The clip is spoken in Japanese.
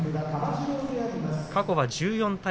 過去は１４対６。